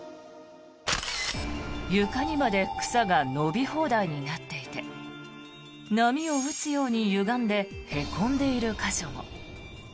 床にまで草が伸び放題になっていて波を打つようにゆがんでへこんでいる箇所も。